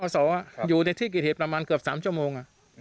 อยู่ในที่เกิดเหตุประมาณเกือบ๓ชั่วโมง